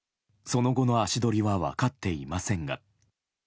その後の足取りは分かっていませんが。